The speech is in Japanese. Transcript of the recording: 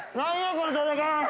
この戦い！